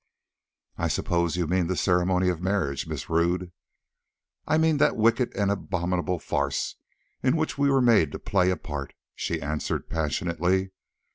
"I suppose you mean the ceremony of marriage, Miss Rodd." "I mean the wicked and abominable farce in which we were made to play a part," she answered passionately.